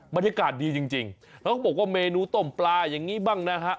บรรยากาศดีจริงแล้วเขาบอกว่าเมนูต้มปลาอย่างนี้บ้างนะฮะ